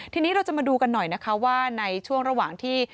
ทีนี้เราจะมาดูกันหน่อยนะคะว่าในช่วงระหว่างที่